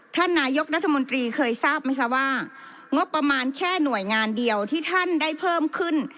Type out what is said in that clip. ท่านนายกรัฐมนตรีเคยทราบไหมคะว่างบประมาณแค่หน่วยงานเดียวที่ท่านได้เพิ่มขึ้น